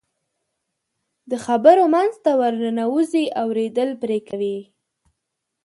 د خبرو منځ ته ورننوځي، اورېدل پرې کوي.